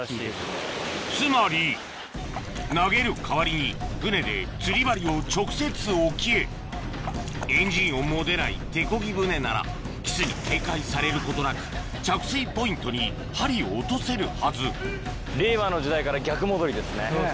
つまり投げる代わりに舟で釣り針を直接沖へエンジン音も出ない手こぎ舟ならキスに警戒されることなく着水ポイントに針を落とせるはずそう